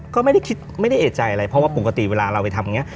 ก็ไม่ได้คิดไม่ได้เอกใจอะไรเพราะว่าปกติเวลาเราไปทำอย่างนี้